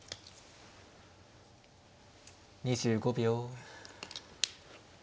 ２５秒。